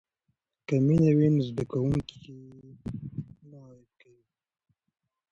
که مینه وي نو زده کوونکی نه غیبت کوي.